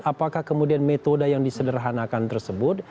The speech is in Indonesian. apakah kemudian metode yang disederhanakan tersebut